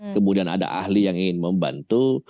kemudian ada ahli yang ingin membantu